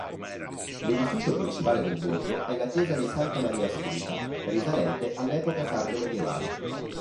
L'edificio principale del borgo è la chiesa di Santa Maria Assunta, risalente all'epoca tardo-medievale.